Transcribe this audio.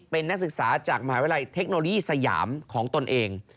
เป็นนักศึกษาจากมหาวิทยาลัยเทคโนโลยีสยามของตนเอง